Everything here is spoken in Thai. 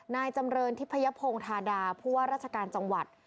นายจำเรินทิพยพงธาดาผู้ว่าราชการจังหวัด